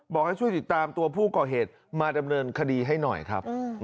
บอกให้ช่วยติดตามตัวผู้ก่อเหตุมาดำเนินคดีให้หน่อยครับ